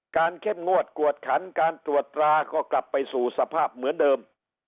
เข้มงวดกวดขันการตรวจตราก็กลับไปสู่สภาพเหมือนเดิม